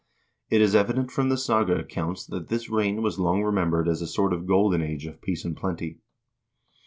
It is evident from the saga accounts that this reign was long remembered as a sort of golden age of peace and plenty.